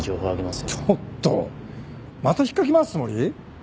ちょっとまた引っかき回すつもり？